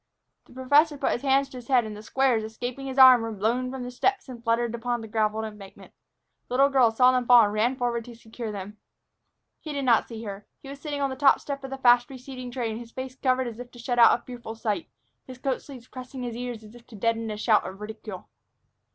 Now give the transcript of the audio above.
The professor put his hands to his head, and the squares, escaping his arm, were blown from the steps and fluttered upon the graveled embankment. The little girl saw them fall and ran forward to secure them. He did not see her. He was sitting on the top step of the fast receding train, his face covered as if to shut out a fearful sight, his coat sleeves pressing his ears as if to deaden a shout of ridicule.